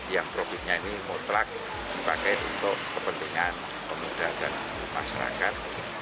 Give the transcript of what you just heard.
yang profitnya ini mutlak dipakai untuk kepentingan pemuda dan masyarakat